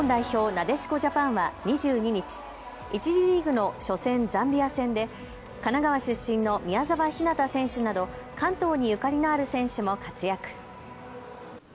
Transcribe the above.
なでしこジャパンは２２日、１次リーグの初戦ザンビア戦で神奈川出身の宮澤ひなた選手など関東にゆかりのある選手も活躍。